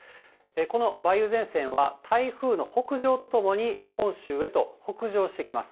この梅雨前線は、台風の北上とともに、本州へと北上してきます。